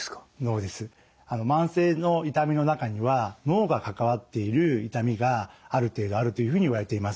慢性の痛みの中には脳が関わっている痛みがある程度あるというふうにいわれています。